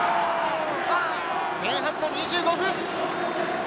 前半の２５分。